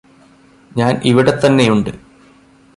ഞാന് ഇവിടെത്തന്നെയുണ്ട്